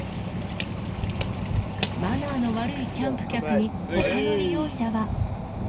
マナーの悪いキャンプ客に、ほかの利用者は。